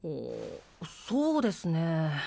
そうですね